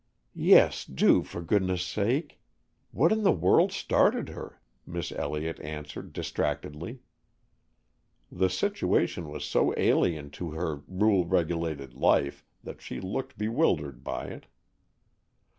"Yes, do, for goodness' sake. What in the world started her?" Miss Elliott answered, distractedly. The situation was so alien to her rule regulated life that she looked bewildered by it.